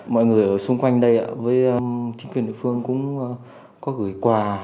mọi người ở xung quanh đây với chính quyền địa phương cũng có gửi quà